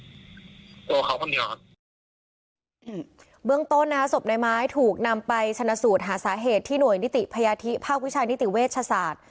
ตัวเขาคนเดียวครับเบื้องต้นนะฮะศพในไม้ถูกนำไปชนะสูตรหาสาเหตุที่หน่วยนิติพยาธิภาควิชานิติเวชศาสตร์